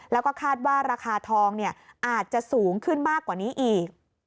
แล้วก็คาดว่าราคาทองอาจจะสูงขึ้นมากกว่านี้อีก